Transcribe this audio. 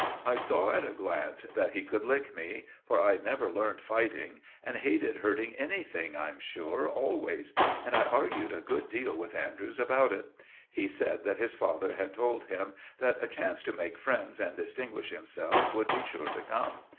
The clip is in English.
I saw at a glance that he could lick me, for I'd never learned fighting and hated hurting anything, I'm sure, always; and I argued a good deal with Andrews about it. He said that his father had told him that a chance to make friends and distinguish himself would be sure to come.